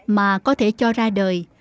mà có thể cho ra đời